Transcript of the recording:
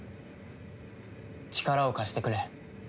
力を貸してくれ。